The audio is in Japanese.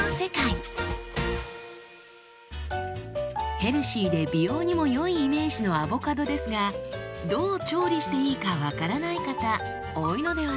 ヘルシーで美容にも良いイメージのアボカドですがどう調理していいか分からない方多いのではないでしょうか？